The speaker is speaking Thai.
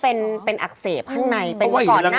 แน่นอนนะเราก็ส่งกำลังใจไปให้นายกนั่นแหละ